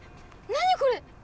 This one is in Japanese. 何これ？